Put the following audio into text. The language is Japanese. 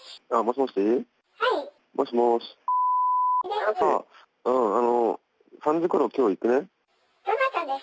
もしもーし。